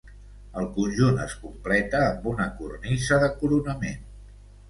El conjunt es completa amb una cornisa de coronament.